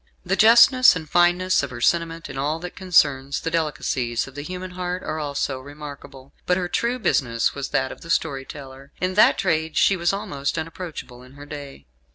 The justness and fineness of her sentiment in all that concerns the delicacies of the human heart are also remarkable. But her true business was that of the storyteller. In that trade she was almost unapproachable in her day.